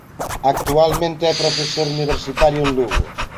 Actualmente é profesor universitario en Lugo.